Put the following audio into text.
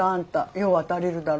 用は足りるだろ。